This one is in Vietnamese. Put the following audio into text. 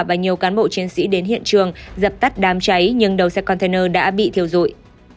và nhiều cán bộ chiến sĩ đến hiện trường dập tắt đám cháy nhưng đầu xe container đã bị thiêu dụi